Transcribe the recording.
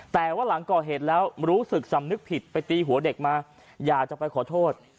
แต่ว่าหลังก่อเหตุแล้วรู้สึกสำนึกผิดไปตีหัวเด็กมาอยากจะไปขอโทษ